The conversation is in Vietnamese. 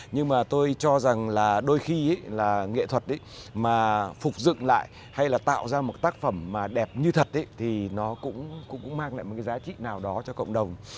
nhưng mà tôi cho rằng là đôi khi là nghệ thuật mà phục dựng lại hay là tạo ra một tác phẩm mà đẹp như thật thì nó cũng mang lại một cái giá trị nào đó cho cộng đồng